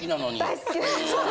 大好きなんです。